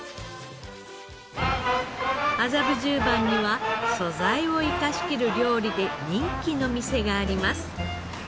麻布十番には素材を生かしきる料理で人気の店があります。